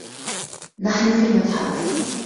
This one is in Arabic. نحن في المتحف.